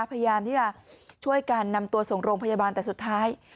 พยายามที่จะช่วยกันนำตัวส่งโรงพยาบาลแต่สุดท้าย